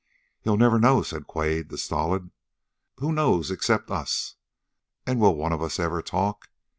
"He'll never know," said Quade, the stolid. "Who knows except us? And will one of us ever talk?"